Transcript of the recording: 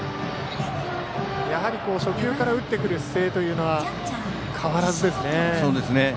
やはり初球から打ってくる姿勢というのは変わらずですね。